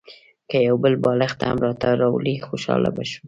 که یو بل بالښت هم راته راوړې خوشاله به شم.